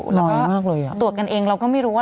น้อยมากเลยอ่ะตรวจกันเองเราก็ไม่รู้ว่า